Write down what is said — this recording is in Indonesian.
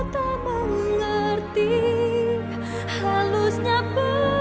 kau goreskan keraguku